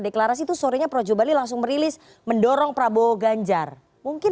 deklarasi itu sorenya projo bali langsung merilis mendorong prabowo ganjar mungkin